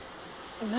何？